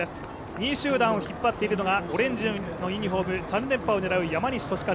２位集団を引っ張っているのがオレンジのユニフォーム、３連覇を狙う山西利和。